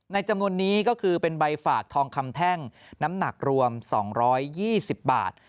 จำนวนนี้ก็คือเป็นใบฝากทองคำแท่งน้ำหนักรวม๒๒๐บาท